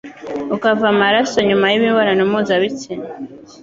ukava amaraso nyuma y'imibonano mpuzabitsina.